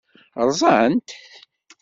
Ṛṛẓant-t?